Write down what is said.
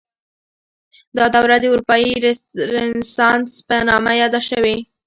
دا دوره د اروپايي رنسانس په نامه یاده شوې.